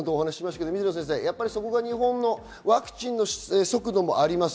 そこが日本のワクチンの速度もあります。